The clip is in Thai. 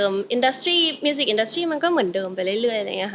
มิวสิกอินเดอสตรีมันก็เหมือนเดิมไปเรื่อย